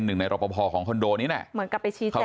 หนึ่งในรอปภของคนนี้น่ะเหมือนกับไปชี้แจง